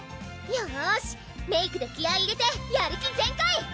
よしメイクで気合い入れてやる気全開！